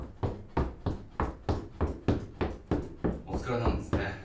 お疲れなんですね。